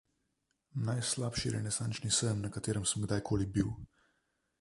Najslabši Renesančni sejem, na katerem sem kdajkoli bil.